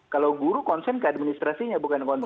kalau guru konsen ke administrasinya bukan konsen ke pasien